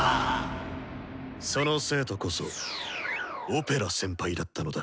その生徒こそオペラ先輩だったのだ！